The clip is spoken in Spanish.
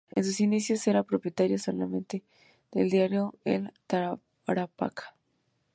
En sus inicios, era propietaria solamente del diario "El Tarapacá".